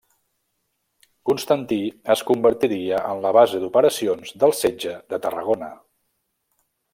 Constantí es convertiria en la base d'operacions del setge de Tarragona.